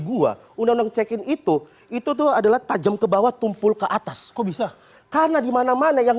gua udah cekin itu itu tuh adalah tajam ke bawah tumpul ke atas kok bisa karena dimana mana yang